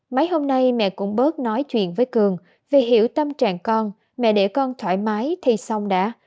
mấy hôm nay mẹ cũng bớt nói chuyện với cường vì hiểu tâm trạng con mẹ đẻ con thoải mái thì xong đã